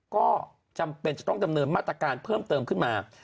ก็จำเป็นจะต้องดำเนินมาตรการเพิ่มเติมขึ้นมา